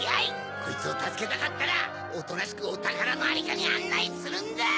こいつをたすけたかったらおとなしくおたからのありかにあんないするんだ！